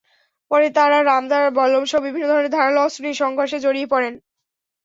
পরে তাঁরা রামদা, বল্লমসহ বিভিন্ন ধরনের ধারালো অস্ত্র নিয়ে সংঘর্ষে জড়িয়ে পড়েন।